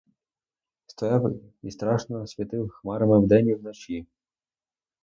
Стояв і страшно світив хмарами вдень і вночі.